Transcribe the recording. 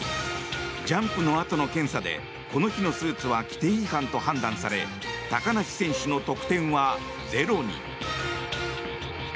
ジャンプのあとの検査でこの日のスーツは規定違反と判断され高梨選手の得点はゼロに。